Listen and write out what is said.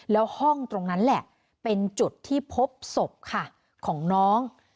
แล้วห้องตรงนั้นแหละเป็นจุดที่พบศพค่ะของน้อง